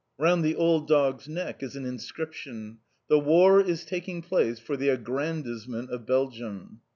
Round the old dog's neck is an inscription: "_The war is taking place for the aggrandisement of Belgium!